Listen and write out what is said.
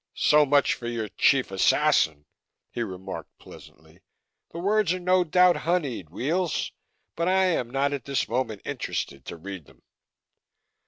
"So much for your Chief Assassin," he remarked pleasantly. "The words are no doubt honied, Weels, but I am not at this moment interested to read them."